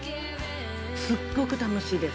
すっごく楽しいです。